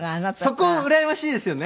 そこうらやましいですよね。